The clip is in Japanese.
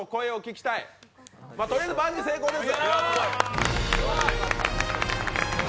とりあえずバンジー成功です！